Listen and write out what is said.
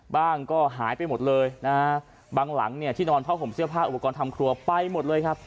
บ้างก็หายไปหมดเลยนะฮะบางหลังเนี่ยที่นอนผ้าห่มเสื้อผ้าอุปกรณ์ทำครัวไปหมดเลยครับ